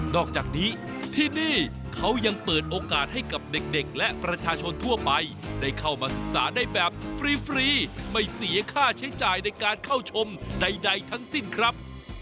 อกจากนี้ที่นี่เขายังเปิดโอกาสให้กับเด็กและประชาชนทั่วไปได้เข้ามาศึกษาได้แบบฟรีไม่เสียค่าใช้จ่ายในการเข้าชมใดทั้งสิ้นครับ